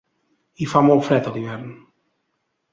Hi fa molt fred a l'hivern.